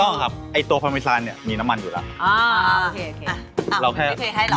ต้องนะครับตัวพร็อมไอซานรีดีนมีน้ำมันอยู่ดี